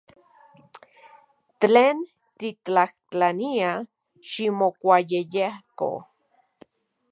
Tlen tiktlajtlania, ximokuayejyeko.